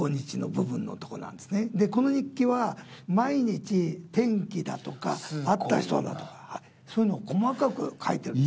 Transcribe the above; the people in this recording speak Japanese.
この日記は毎日天気だとか会った人だとかそういうのを細かく書いてるんですよ。